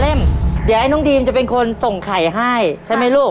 เดี๋ยวอย่างน้องดีมไปเพลิงส่งไข่ไว้ใช่มั้ยลูก